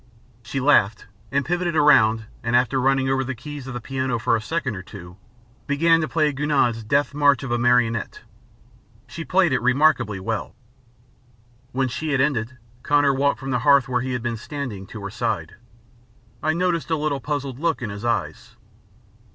She laughed and pivoted round and, after running over the keys of the piano for a second or two, began to play Gounod's "Death March of a Marionette." She played it remarkably well. When she had ended, Connor walked from the hearth, where he had been standing, to her side. I noticed a little puzzled look in his eyes.